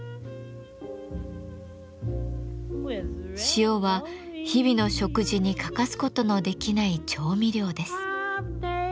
塩は日々の食事に欠かすことのできない調味料です。